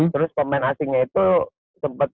terus pemain asingnya itu sempat